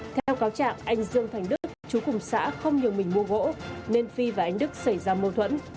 theo cáo trạng anh dương thành đức chú cùng xã không nhường mình mua gỗ nên phi và anh đức xảy ra mâu thuẫn